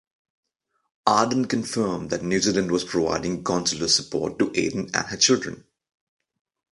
Ardern confirmed that New Zealand was providing consular support to Aden and her children.